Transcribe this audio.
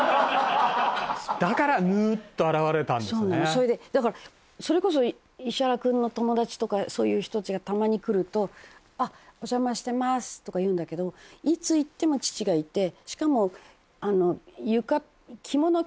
それでだからそれこそ石原君の友達とかそういう人たちがたまに来ると「あっお邪魔してます」とか言うんだけどいつ行っても父がいてしかも着物を着てるかパジャマ着てるかなの。